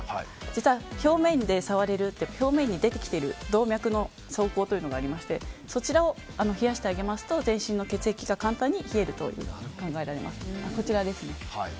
実は表面で触れるって表面に出てきておる動脈の走行がありましてそちらを冷やしてあげますと全身の血液が簡単に冷えると考えられますね。